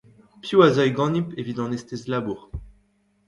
Piv a zeuy ganimp evit an estez labour ?